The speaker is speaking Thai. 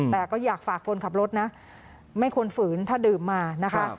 แต่ก็อยากฝากคนขับรถนะไม่ควรฝืนถ้าดื่มมานะคะ